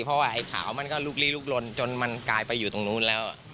เพราะว่าไอ้ขาวมันก็ลุกลี้ลุกลนจนมันกลายไปอยู่ตรงนู้นแล้ว